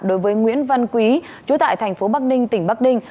đối với nguyễn văn quý chủ tại tp bắc ninh tỉnh bắc ninh